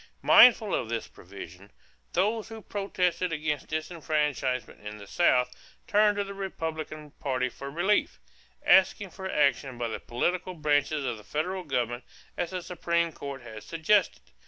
Mindful of this provision, those who protested against disfranchisement in the South turned to the Republican party for relief, asking for action by the political branches of the federal government as the Supreme Court had suggested.